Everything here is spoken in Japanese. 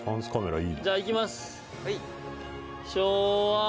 「じゃあいきます」